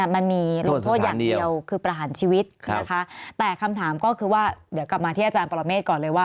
มันมีลงโทษอย่างเดียวคือประหารชีวิตนะคะแต่คำถามก็คือว่าเดี๋ยวกลับมาที่อาจารย์ปรเมฆก่อนเลยว่า